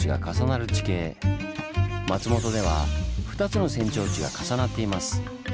松本では２つの扇状地が重なっています。